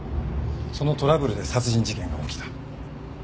そのトラブルで殺人事件が起きた。